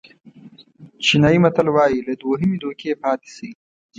چینایي متل وایي له دوهمې دوکې پاتې شئ.